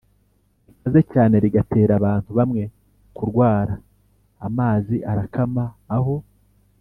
rikaze cyane, rigatera abantu bamwe kurwara, amazi agakama aho